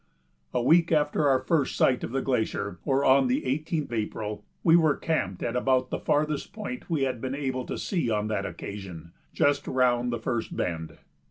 A week after our first sight of the glacier, or on the 18th April, we were camped at about the farthest point we had been able to see on that occasion just round the first bend.